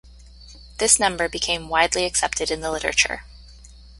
This number became widely accepted in the literature.